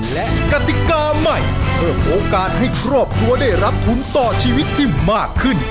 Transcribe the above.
และกติกาใหม่เพิ่มโอกาสให้ครอบครัวได้รับทุนต่อชีวิตที่มากขึ้น